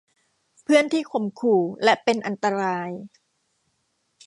เพื่อนที่ข่มขู่และเป็นอันตราย